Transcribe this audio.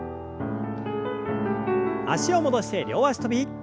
脚を戻して両脚跳び。